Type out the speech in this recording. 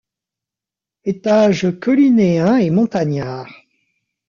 Etage collinéen et montagnard.